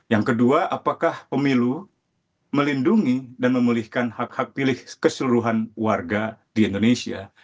yang kedua apakah pemilu melindungi dan memulihkan hak hak pilih keseluruhan warga di indonesia